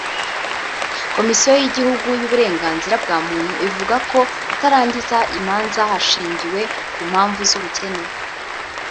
Komisiyo y’Igihugu y’Uburenganzira bwa Muntu ivuga ko kutarangiza imanza hashingiwe ku mpamvu z’ubukene